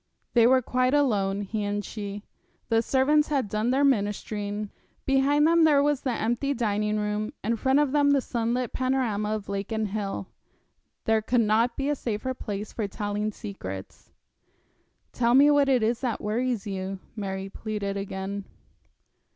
They were quite alone, he and she. The servants had done their ministering. Behind them there was the empty dining room, in front of them the sunlit panorama of lake and hill. There could not be a safer place for telling secrets. 'Tell me what it is that worries you,' Mary pleaded again.